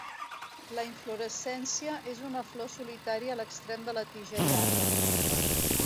La inflorescència és una flor solitària a l'extrem de la tija llarga.